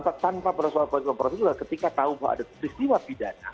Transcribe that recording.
tanpa persoalan profesional ketika tahu bahwa ada peristiwa pidana